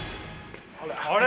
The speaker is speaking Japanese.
あれ。